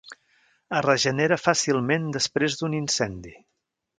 Es regenera fàcilment després d'un incendi.